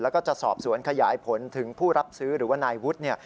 แล้วก็จะสอบสวนขยายผลถึงผู้รับซื้อหรือว่านายวุฒิเนี่ย